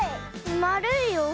まるいよ。